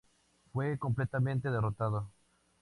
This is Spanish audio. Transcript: Fue completamente derrotado.